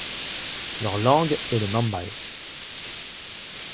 Leur langue est le mambay.